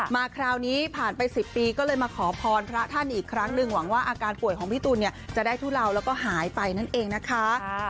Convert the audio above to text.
มาคราวนี้ผ่านไป๑๐ปีก็เลยมาขอพรพระท่านอีกครั้งหนึ่งหวังว่าอาการป่วยของพี่ตูนเนี่ยจะได้ทุเลาแล้วก็หายไปนั่นเองนะคะ